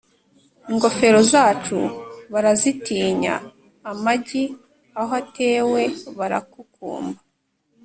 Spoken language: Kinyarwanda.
Ingofero zacu barazitinya Amagi aho atewe barakukumba.